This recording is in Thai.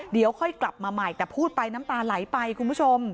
เดี๋ยวค่อยกลับมาใหม่แต่พูดไปน้ำตาไหลไปคุณผู้ชม